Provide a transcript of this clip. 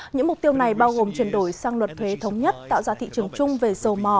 ngày bao gồm chuyển đổi sang luật thuế thống nhất tạo ra thị trường chung về dầu mò